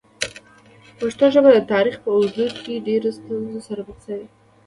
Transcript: پښتو ژبه د تاریخ په اوږدو کې ډېرو ستونزو سره مخ شوې ده.